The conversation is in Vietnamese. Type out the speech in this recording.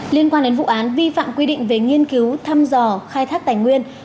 liên quan đến vụ án vi phạm quy định về nghiên cứu thăm dò khai thác tài nguyên